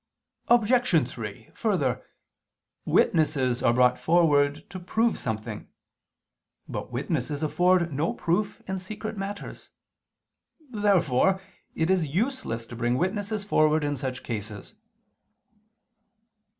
Obj. 3: Further, witnesses are brought forward to prove something. But witnesses afford no proof in secret matters. Therefore it is useless to bring witnesses forward in such cases.